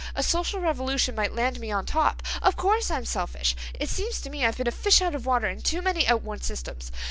A social revolution might land me on top. Of course I'm selfish. It seems to me I've been a fish out of water in too many outworn systems.